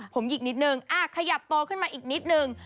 ผมหยิกนิดนึงขยับตัวขึ้นมาอีกนิดนึง